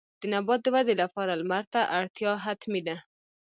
د نبات د ودې لپاره لمر ته اړتیا حتمي ده.